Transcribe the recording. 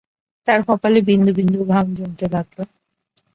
তাঁর কপালে বিন্দু-বিন্দু ঘাম জমতে লাগল।